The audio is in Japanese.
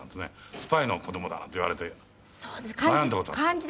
スパイの子供だって言われて悩んだ事がある。